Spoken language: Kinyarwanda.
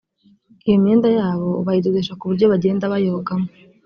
Iyo myenda yabo bayidodesha ku buryo bagenda bayogamo